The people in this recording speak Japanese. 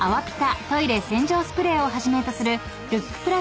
ピタトイレ洗浄スプレーをはじめとするルック